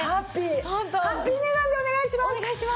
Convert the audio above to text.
ハッピー値段でお願いします。